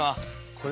これ！